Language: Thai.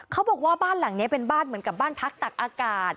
เขาบอกว่าบ้านหลังนี้เป็นบ้านเหมือนกับบ้านพักตักอากาศ